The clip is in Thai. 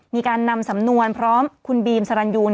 มีการนำสำนวนพร้อมคุณบีมสรรยู